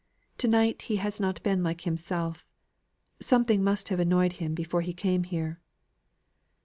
"To night he has not been like himself. Something must have annoyed him before he came here."